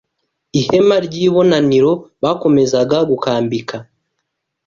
ihema ry’ibonaniro, bakomezaga gukambīka